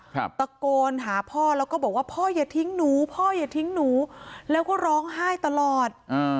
ตะโกนหาพ่อแล้วก็บอกว่าพ่ออย่าทิ้งหนูพ่ออย่าทิ้งหนูแล้วก็ร้องไห้ตลอดอ่า